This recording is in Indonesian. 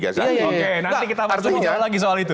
oke nanti kita bicara lagi soal itu